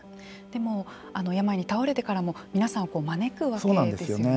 でも病に倒れてからも皆さんを招くわけですよね。